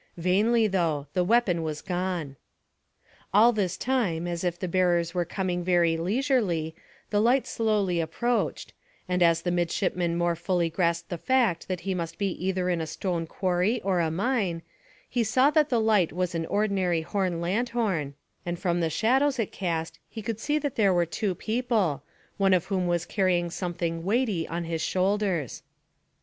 Vainly though: the weapon was gone. All this time, as if the bearers were coming very leisurely, the light slowly approached, and as the midshipman more fully grasped the fact that he must be either in a stone quarry or a mine, he saw that the light was an ordinary horn lanthorn, and from the shadows it cast he could see that there were two people, one of whom was carrying something weighty on his shoulders.